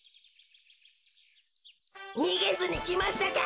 にげずにきましたか？